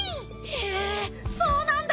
へえそうなんだ。